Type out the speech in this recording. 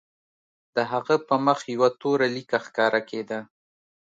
د هغه په مخ یوه توره لیکه ښکاره کېده